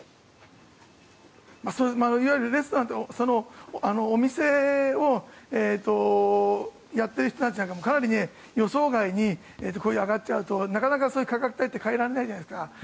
いわゆるレストランとかお店をやっている人たちなんかもかなり予想外に上がっちゃうとなかなか価格帯って変えられないじゃないですか。